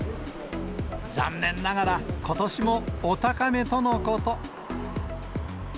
残念ながらことしもお高めとのこと。